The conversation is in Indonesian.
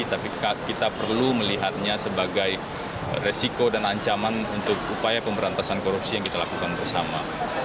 tapi kita perlu melihatnya sebagai resiko dan ancaman untuk upaya pemberantasan korupsi yang kita lakukan bersama